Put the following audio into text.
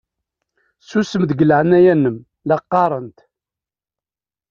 Susem deg leɛnaya-m la qqaṛent!